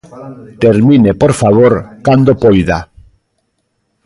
Termine, por favor, cando poida.